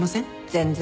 全然。